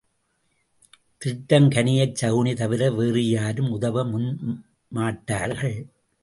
திட்டம் கனியச் சகுனி தவிர வேறு யாரும் உதவ முன் மாட்டார்கள்.